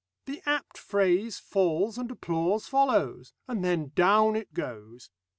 The apt phrase falls and applause follows, and then down it goes.